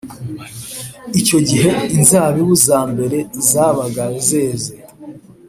Icyo gihe inzabibu za mbere zabaga zeze